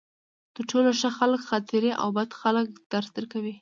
تر ټولو ښه خلک خاطرې او بد خلک درس درکوي.